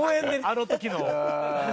あの時のを。